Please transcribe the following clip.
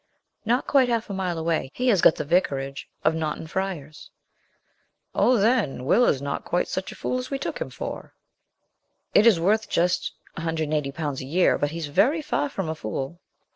'Not quite half a mile away; he has got the vicarage of Naunton Friars.' 'Oh, then, Will is not quite such a fool as we took him for.' 'It is worth just £180 a year! but he's very far from a fool.'